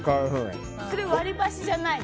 それ割り箸じゃないの？